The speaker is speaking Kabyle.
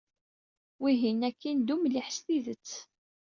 Wihin akkin d umliḥ s tidet.